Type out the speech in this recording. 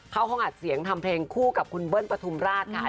เข้าห้องอัดเสียงทำเพลงคู่กับคุณเบิ้ลปฐุมราชค่ะ